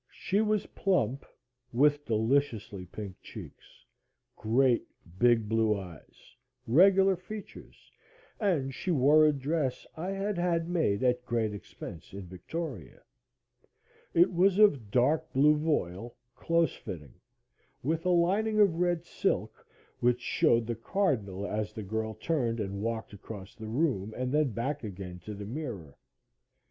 She was plump, with deliciously pink cheeks, great big blue eyes, regular features and she wore a dress I had had made at great expense in Victoria it was of dark blue voile, close fitting, with a lining of red silk, which showed the cardinal as the girl turned and walked across the room and then back again to the mirror.